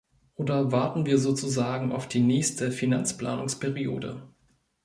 Oder warten wir sozusagen auf die nächste Finanzplanungsperiode?